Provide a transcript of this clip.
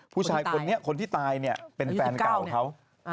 ผู้ชายคนนี้คนที่ตายเนี่ยเป็นแฟนเก่าเขา